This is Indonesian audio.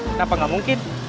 kenapa gak mungkin